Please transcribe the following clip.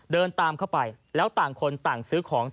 เดินตามเข้าไปแล้วต่างคนต่างซื้อของ